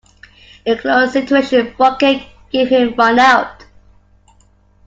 In a close situation, Crockett gave him run out.